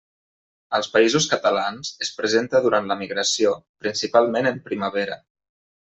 Als Països Catalans es presenta durant la migració, principalment en primavera.